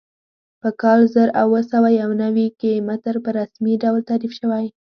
په کال زر اووه سوه یو نوي کې متر په رسمي ډول تعریف شوی.